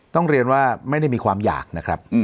ต้องเรียนว่าไม่ได้มีความอยากนะครับ